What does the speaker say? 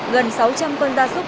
gần sáu trăm linh con da súc